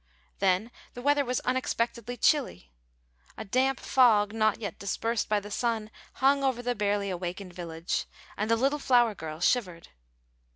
Then the weather was unexpectedly chilly. A damp fog, not yet dispersed by the sun, hung over the barely awakened village, and the little flower girl shivered.